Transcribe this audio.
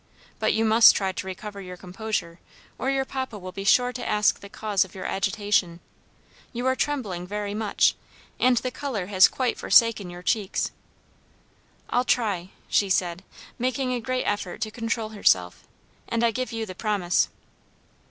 But you must try to recover your composure, or your papa will be sure to ask the cause of your agitation. You are trembling very much, and the color has quite forsaken your cheeks." "I'll try," She said, making a great effort to control herself, "and I give you the promise."